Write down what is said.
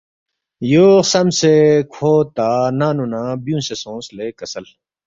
“ یو خسمسےکھو تا ننگ نُو نہ بیُونگسے سونگس لے کسل